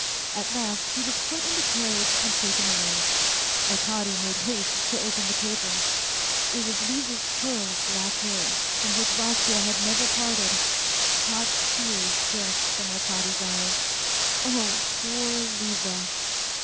At last he was put in the carriage and taken away. Arkady made haste to open the paper : it was Liza's curl of black hair, from which Vasya had never parted. Hot tears gushed from Arkady's eyes : oh, poor Liza